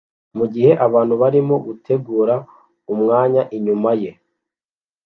Mugihe abantu barimo gutegura umwanya inyuma ye